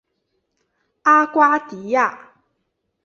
阿瓜迪亚。